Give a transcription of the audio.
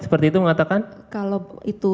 seperti itu mengatakan kalau itu